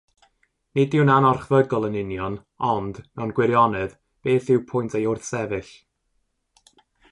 Nid yw'n anorchfygol yn union, ond, mewn gwirionedd, beth yw pwynt ei wrthsefyll?